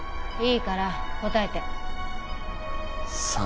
いいから答えて。